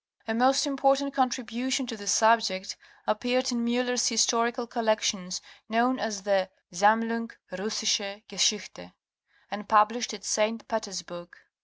A most important contribution to the subject appeared in Miiller's Historical Collections known as the ''Sammlung Russische Geschichte"' and published at St. Petersburg (Kayserl.